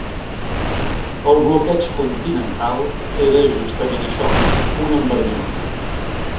El Bloqueig Continental era justament això: un embargament.